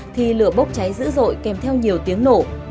thì lửa bốc cháy dữ dội kèm theo nhiều tiếng nổ